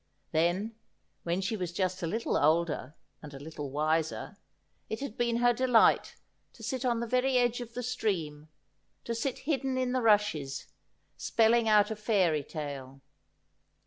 Then when she was just a little older and a little wiser, it had been her delight to sit on the very edge of the stream, to sit hidden in the rushes, spelling out a fairy tale.